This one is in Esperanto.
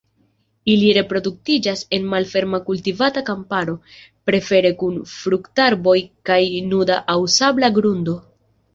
Ili reproduktiĝas en malferma kultivata kamparo, prefere kun fruktarboj kaj nuda aŭ sabla grundo.